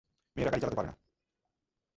মেয়েরা গাড়ি চালাতে পারে না।